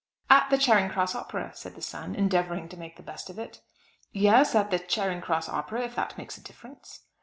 "At the Charing Cross Opera," said the son, endeavouring to make the best of it. "Yes; at the Charing Cross Opera, if that makes a difference."